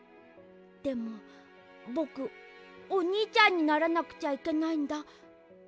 でもぼくおにいちゃんにならなくちゃいけないんだ。